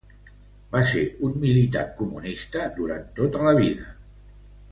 Va ser un militant comunista durant tota la vida.